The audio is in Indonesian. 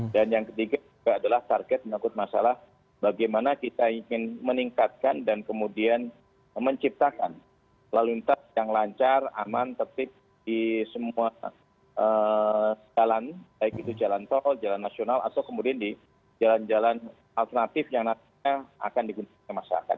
dan yang ketiga juga adalah target menanggut masalah bagaimana kita ingin meningkatkan dan kemudian menciptakan lalu lantas yang lancar aman tetap di semua jalan baik itu jalan tol jalan nasional atau kemudian di jalan jalan alternatif yang nantinya akan digunakan masyarakat